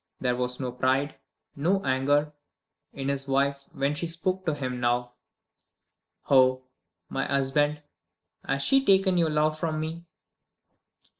There was no pride, no anger, in his wife when she spoke to him now. "Oh, my husband, has she taken your love from me?"